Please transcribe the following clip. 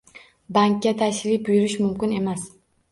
Bankga tashrif buyurish mumkin emas